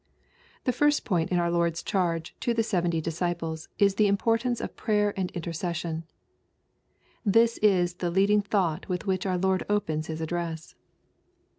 The first point in our Lord's charge to the seventy disciples is the importance of prayer and intercession. This is the leading thought with which our Lord opens His address.